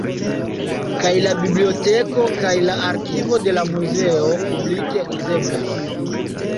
Kaj la biblioteko kaj la arkivo de la muzeo publike uzeblas.